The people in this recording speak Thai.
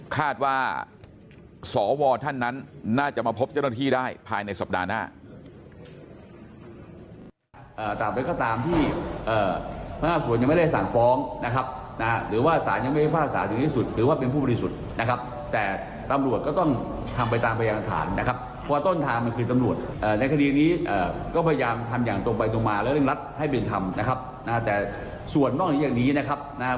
คาดว่าสวท่านนั้นน่าจะมาพบเจ้าหน้าที่ได้ภายในสัปดาห์หน้า